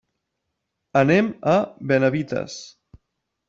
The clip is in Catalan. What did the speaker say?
Anem a Benavites.